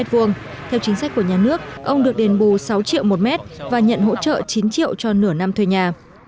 theo chính sách của nhà nước ông được đền bù sáu triệu một mét và nhận hỗ trợ chín triệu cho nửa năm thuê nhà